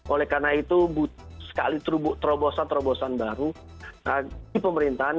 oleh karena itu sekali terobosan terobosan baru di pemerintahan